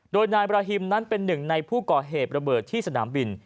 โดยนายบราฮิมนั้นเป็นหนึ่งในผู้ก่อเหตุระเบิดที่สนามบิน